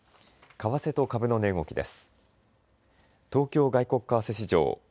為替と株の値動きです。